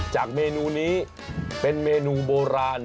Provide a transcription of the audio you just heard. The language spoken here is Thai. เมนูนี้เป็นเมนูโบราณ